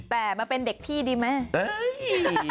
แต่มาเป็นเด็กพี่ดีไหม